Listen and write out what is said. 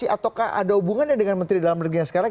ataukah ada hubungannya dengan menteri dalam negeri yang sekarang